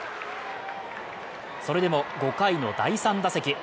それでも５回の第３打席。